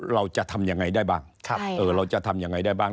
เราจะทำยังไงได้บ้างเราจะทำยังไงได้บ้าง